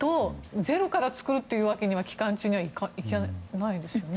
ゼロから作るというわけにはいかないですよね。